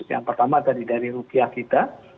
yang pertama tadi dari rupiah kita